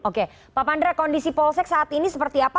oke pak pandra kondisi polsek saat ini seperti apa